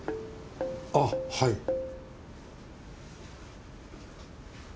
あぁはい。